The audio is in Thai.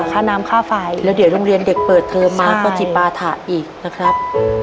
ค่าน้ำค่าไฟแล้วเดี๋ยวโรงเรียนเด็กเปิดเทอมมาก็จิปาถะอีกนะครับ